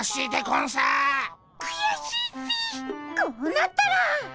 こうなったら。